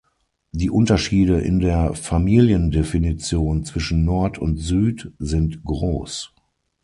Die Unterschiede in der Familiendefinition zwischen Nord und Süd sind groß.